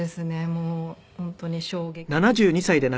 もう本当に衝撃で。